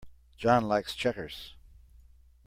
John likes checkers.